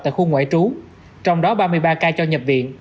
tại khu ngoại trú trong đó ba mươi ba ca cho nhập viện